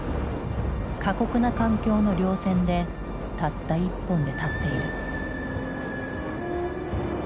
過酷な環境の稜線でたった１本で立っている。